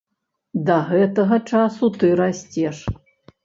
Да гэтага часу ты расцеш.